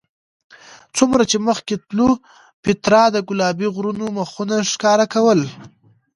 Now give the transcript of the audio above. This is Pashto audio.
څومره چې مخکې تلو پیترا د ګلابي غرونو مخونه ښکاره کول.